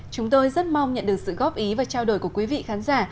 chúng tôi rất mong nhận được sự góp ý và trao đổi của quý vị khán giả